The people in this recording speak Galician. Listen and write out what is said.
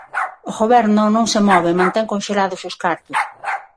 O Goberno non se move e mantén conxelados os cartos.